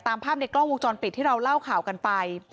ตามภาพในกล้องวงจรปิดที่เราเล่าข่าวกันไป